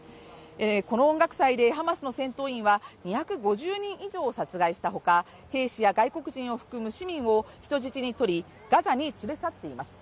この音楽祭でハマスの戦闘員は２５０人以上殺害したほか、兵士や外国人を含む市民を人質にとり、ガザに連れ去っています。